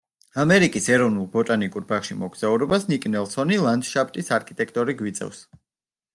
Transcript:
ამერიკის ეროვნულ ბოტანიკურ ბაღში მეგზურობას ნიკ ნელსონი, ლანდშაფტის არქიტექტორი გვიწევს.